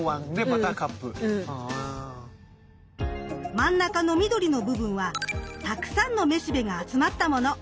真ん中の緑の部分はたくさんのめしべが集まったもの。